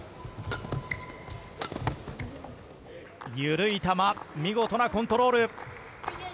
緩い球見事なコントロール。